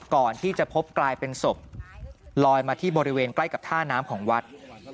ก่อนที่จะพบกลายเป็นศพลอยมาที่บริเวณใกล้กับท่าน้ำของวัด